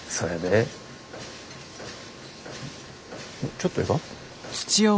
ちょっとええか？